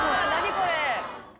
これ。